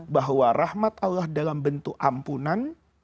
bahwa rahmat allah dalam bentuk ampunan